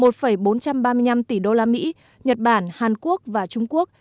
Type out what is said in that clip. một bốn trăm ba mươi năm tỷ usd nhật bản hàn quốc và trung quốc